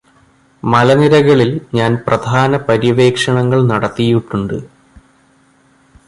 മലനിരകളില് ഞാന് പ്രധാന പര്യവേക്ഷണങ്ങള് നടത്തിയിട്ടുണ്ട്